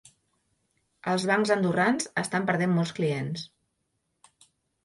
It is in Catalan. Els bancs andorrans estan perdent molts clients